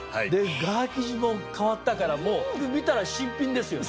側生地も変わったからもう見たら新品ですよね。